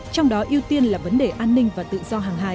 trong đó ưu tiên là vấn đề an ninh và tự do